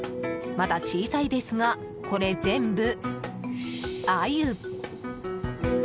まだ小さいですが、これ全部アユ。